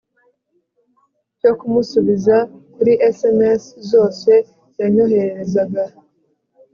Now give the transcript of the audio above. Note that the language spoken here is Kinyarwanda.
cyo kumusubiza kuri SMS zose yanyohererezaga